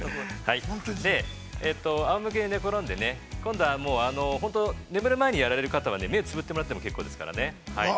◆あおむけに寝転んで今度は、眠る前にやられる方は、目をつぶってもらっても結構ですからね。